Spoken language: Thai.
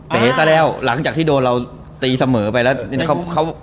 เป๋ซะแล้วหลังจากที่โดนเราตีเสมอไปแล้ว